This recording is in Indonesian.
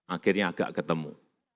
akhirnya agak ketemu